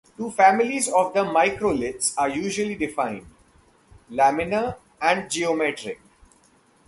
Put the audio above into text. Two families of microliths are usually defined: laminar and geometric.